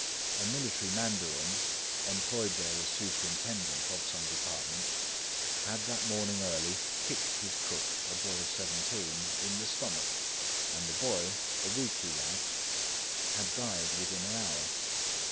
A military mandarin, employed there as superintendent of some department, had that morning early kicked his cook, a boy of seventeen, in the stomach, and the boy, a weakly lad, had died within an hour.